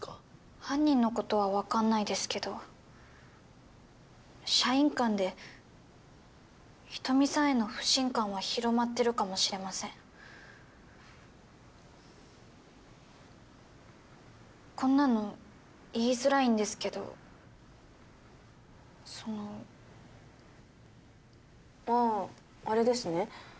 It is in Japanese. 犯人のことはわかんないですけど社員間で人見さんへの不信感は広まってるかもしれませんこんなの言いづらいんですけどそのあああれですね